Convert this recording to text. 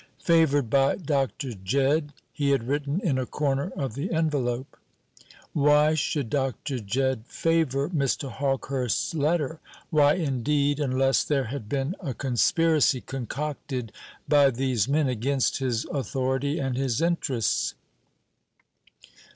"Favoured by Dr. Jedd," he had written in a corner of the envelope. Why should Dr. Jedd "favour" Mr. Hawkehurst's letter? Why, indeed, unless there had been a conspiracy concocted by these men against his authority and his interests?